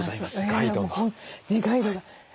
ガイドが。